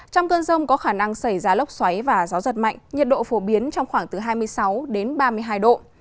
trong cơn rông có khả năng xảy ra lốc xoáy và gió giật mạnh nhiệt độ phổ biến trong khoảng từ hai mươi sáu đến ba mươi hai độ